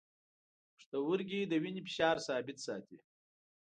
پښتورګي د وینې فشار ثابت ساتي.